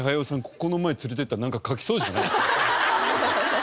ここの前連れて行ったらなんか描きそうじゃない？